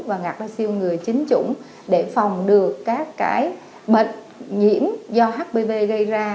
và gạt ra siêu ngừa chín chủng để phòng được các cái bệnh nhiễm do hpv gây ra